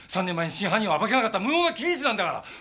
３年前に真犯人を暴けなかった無能な刑事なんだから！